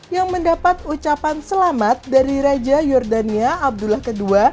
yang mendapat ucapan selamat dari raja yordania abdullah ii